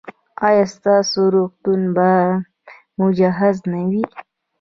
ایا ستاسو روغتون به مجهز نه وي؟